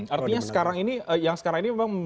artinya sekarang ini yang sekarang ini mempengaruhi apa